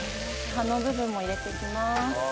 葉の部分も入れて行きます。